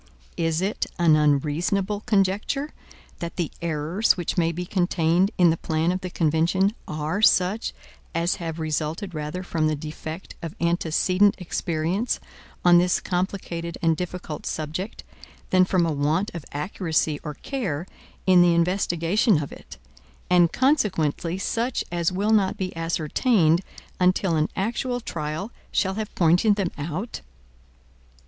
Is it an unreasonable conjecture, that the errors which may be contained in the plan of the convention are such as have resulted rather from the defect of antecedent experience on this complicated and difficult subject, than from a want of accuracy or care in the investigation of it; and, consequently such as will not be ascertained until an actual trial shall have pointed them out?